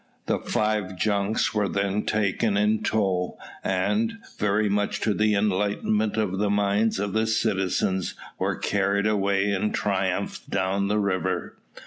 The five junks were then taken in tow, and, very much to the enlightenment of the minds of the citizens, were carried away in triumph down the river.